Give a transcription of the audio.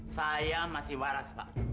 saya masih waras pak